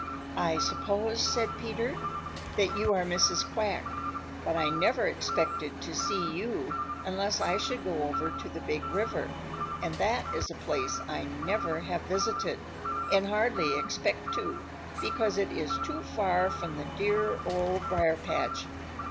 "I suppose," said Peter, "that you are Mrs. Quack, but I never expected to see you unless I should go over to the Big River, and that is a place I never have visited and hardly expect to because it is too far from the dear Old Briar patch.